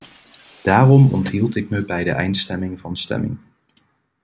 Daarom onthield ik me bij de eindstemming van stemming.